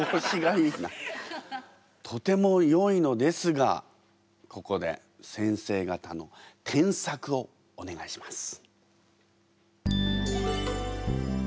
とてもよいのですがここで先生方の添削をお願いします。